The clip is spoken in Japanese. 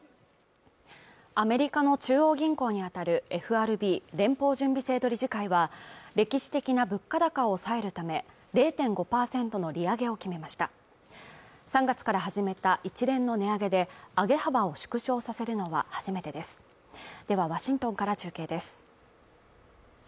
アメリカの中央銀行にあたるＦＲＢ＝連邦準備制度理事会は歴史的な物価高を抑えるため０．５％の利上げを決めました３月から始めた一連の値上げで上げ幅を縮小させるのは初めてですではワシントンから中継です